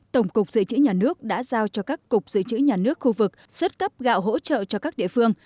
tổng cục dự trữ nhà nước đã giao cho các cục dự trữ nhà nước khu vực xuất cấp gạo hỗ trợ cho các địa phương